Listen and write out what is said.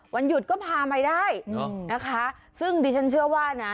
วันหยุดก็พาไปได้นะคะซึ่งดิฉันเชื่อว่านะ